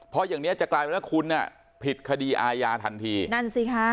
เพราะอย่างเนี้ยจะกลายเป็นว่าคุณอ่ะผิดคดีอาญาทันทีนั่นสิคะ